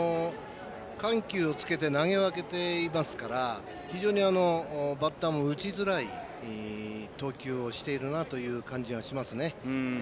緩急をつけて投げ分けていますから非常にバッターも打ちづらい投球をしているなという感じがしますね。